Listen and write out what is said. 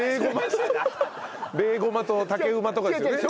ベーゴマと竹馬とかですよね？